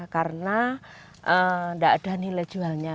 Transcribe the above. karena nggak ada nilai jualnya